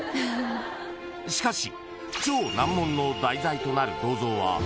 ［しかし］